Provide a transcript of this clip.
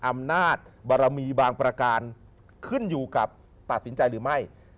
อำนาจบารมีบางประการขึ้นอยู่กับตัดสินใจหรือไม่